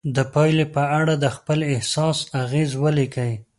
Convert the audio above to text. د پایلې په اړه د خپل احساس اغیز ولیکئ.